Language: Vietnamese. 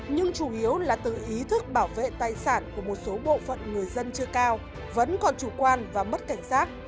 nhưng chủ yếu là từ ý thức bảo vệ tài sản của một số bộ phận người dân chưa cao vẫn còn chủ quan và mất cảnh giác